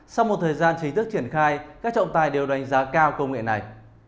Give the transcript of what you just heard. sau một thời gian chính thức triển khai các trọng tài đều đánh giá cao công nghệ này